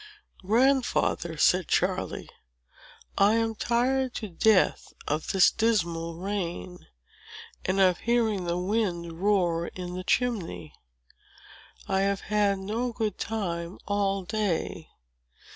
"Grandfather," said Charley, "I am tired to death of this dismal rain, and of hearing the wind roar in the chimney. I have had no good time all day.